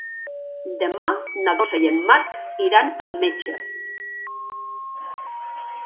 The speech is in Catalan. Demà na Dolça i en Marc iran al metge.